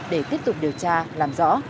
để tiếp tục điều tra làm giá